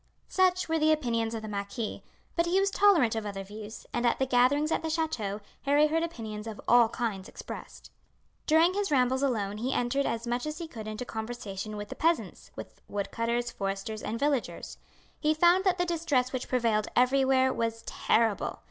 Such were the opinions of the marquis, but he was tolerant of other views, and at the gatherings at the chateau Harry heard opinions of all kinds expressed. During his rambles alone he entered as much as he could into conversation with the peasants, with woodcutters, foresters, and villagers. He found that the distress which prevailed everywhere was terrible.